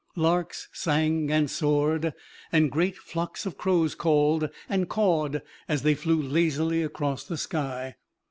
Larks sang and soared, and great flocks of crows called and cawed as they flew lazily across the sky.